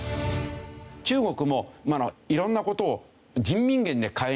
中国も色んな事を人民元で買えない。